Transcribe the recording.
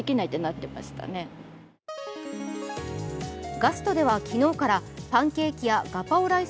ガストでは昨日からパンケーキやガパオライス